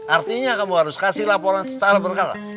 artinya kamu harus kasih laporan secara berkala